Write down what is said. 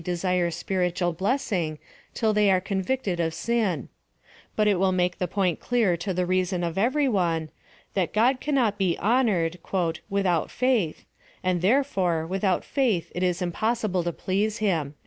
22"^ desire spiritnal blessing till thsy are convicted of sin; but it will make the point clear to the reason of every one, that God cannot be honored " without faith ; and, therefore, without faith it is impossible to please Him."